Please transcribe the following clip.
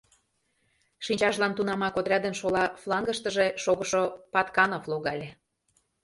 Шинчажлан тунамак отрядын шола флангыштыже шогышо Патканов логале.